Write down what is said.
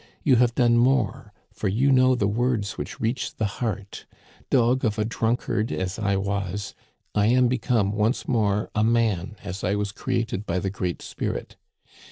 You have done more, for you know the words which reach the heart ; dog of a drunkard as I was, I am become once more a man as I was created by the Great Spirit.